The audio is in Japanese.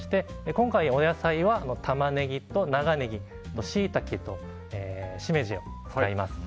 今回お野菜はタマネギと長ネギシイタケとシメジを使います。